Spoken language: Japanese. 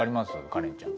カレンちゃん。